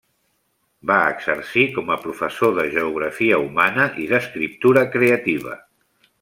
Va exercir com a professor de Geografia Humana i d'escriptura creativa.